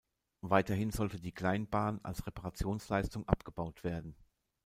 Weiterhin sollte die Kleinbahn als Reparationsleistung abgebaut werden.